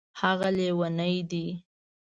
هغه لیونی دی